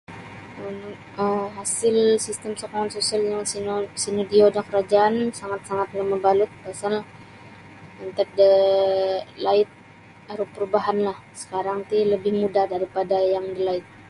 Nunu um hasil sistem sokongan sosial sino-sinodio da karajaan sangat-sangatlah mabalut pasal antad da laid aru perubahanlah sakarang ti labih mudah daripada yang dalaid.